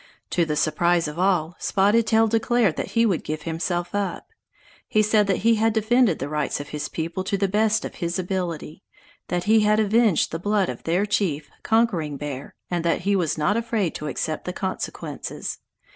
To the surprise of all, Spotted Tail declared that he would give himself up. He said that he had defended the rights of his people to the best of his ability, that he had avenged the blood of their chief, Conquering Bear, and that he was not afraid to accept the consequences.